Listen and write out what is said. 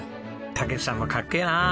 健さんもかっけえな！